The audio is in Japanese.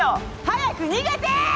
早く逃げて！！